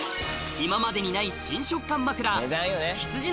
今までにない新触感枕